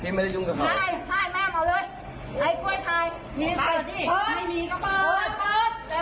ไม่ไม่ได้ยุ่งกับใครนะไม่ถ่ายเลยไม่ได้ยุ่งกับเขา